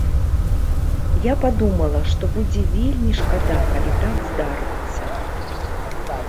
Я падумала, што будзе вельмі шкада, калі так здарыцца.